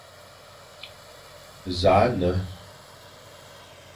Nẑakh nne,